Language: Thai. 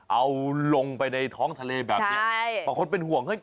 เอาลงไปในท้องทะเลแบบนี้